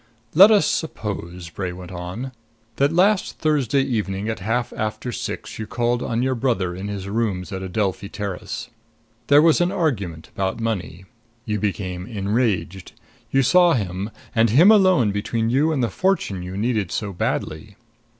"Let us suppose," Bray went on, "that last Thursday evening at half after six you called on your brother in his rooms at Adelphi Terrace. There was an argument about money. You became enraged. You saw him and him alone between you and the fortune you needed so badly.